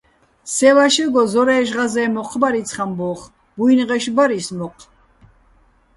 სე ვაშეგო ზორაჲში̆ ღაზე́ნ მოჴ ბარ იცხ ამბო́ხ, ბუ́ჲნღეშ ბარ ის მოჴ.